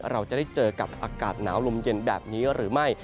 เราจะได้เจอกับอากาศหนาวลมเย็นแบบนี้หรือไม่